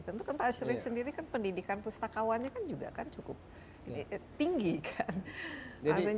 tentu kan pak syarif sendiri kan pendidikan pustakawannya kan juga kan cukup tinggi kan